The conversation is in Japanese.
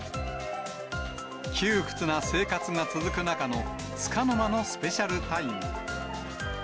窮屈な生活が続く中のつかの間のスペシャルタイム。